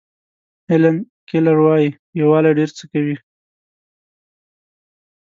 هیلن کیلر وایي یووالی ډېر څه کوي.